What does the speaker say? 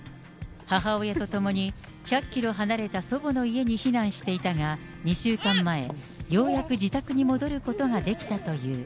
母親と共に、１００キロ離れた祖母の家に避難していたが、２週間前、ようやく自宅に戻ることができたという。